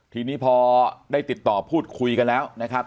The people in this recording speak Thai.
ทีนี้พอได้ติดต่อพูดคุยกันแล้วนะครับ